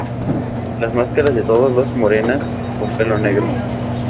Las máscaras de todos son morenas, con pelo negro.